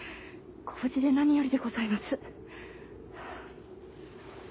ご無事で何よりでございます。